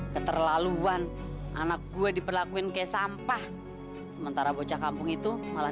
keterlaluan anak gue diperlakuin kayak sampah sementara bocah kampung itu malah